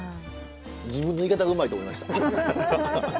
自分の言い方がうまいと思いました。